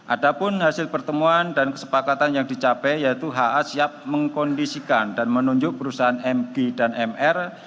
ada pun hasil pertemuan dan kesepakatan yang dicapai yaitu ha siap mengkondisikan dan menunjuk perusahaan mg dan mr